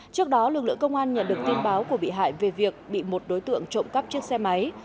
trước đó lực lượng công an nhận được tin báo của bị hại về việc bị một đối tượng trộm cắp chiếc xe máy